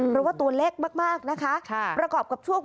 หรือว่าตัวเล็กมากบรากบกับช่วงเวลาที่เด็กคลอดออกมา